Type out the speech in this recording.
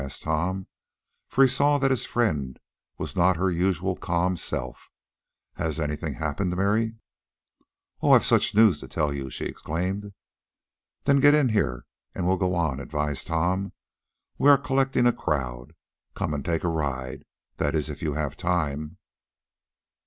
asked Tom, for he saw that his friend was not her usual calm self. "Has anything happened, Mary?" "Oh, I've such news to tell you!" she exclaimed. "Then get in here, and we'll go on." advised Tom. "We are collecting a crowd. Come and take a ride; that is if you have time."